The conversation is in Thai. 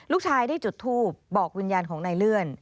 ลูกชายได้จุดทูบบอกวิญญาณของนายเลื่อน